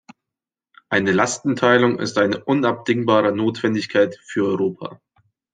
Eine Lastenteilung ist eine unabdingbare Notwendigkeit für Europa.